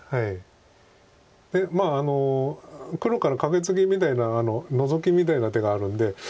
で黒からカケツギみたいなノゾキみたいな手があるんで。